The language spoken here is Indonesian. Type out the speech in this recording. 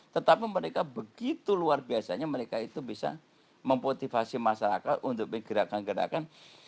tetapi mereka begitu luar biasanya mereka itu bisa memotivasi masyarakat untuk menggerakkan gerakan